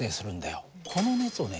この熱をね